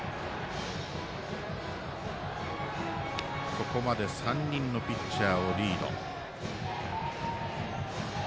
ここまで３人のピッチャーをリード。